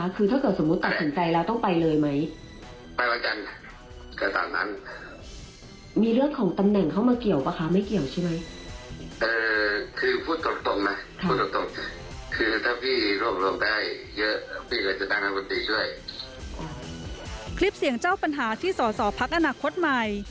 คลิปเสียงเจ้าปัญหาที่สอสอพักอนาคตใหม่